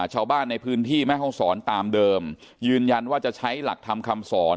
ชาวบ้านในพื้นที่แม่ห้องศรตามเดิมยืนยันว่าจะใช้หลักธรรมคำสอน